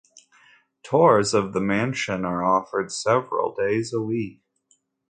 Tours of the mansion are offered several days a week.